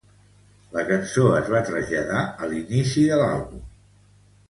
La cançó es va traslladar a l'inici de l'àlbum.